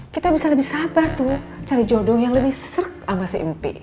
kita bisa lebih sabar tuh cari jodoh yang lebih serak sama si mp